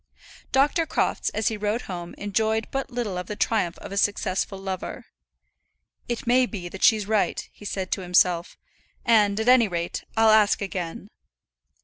Dr. Crofts as he rode home enjoyed but little of the triumph of a successful lover. "It may be that she's right," he said to himself; "and, at any rate, I'll ask again."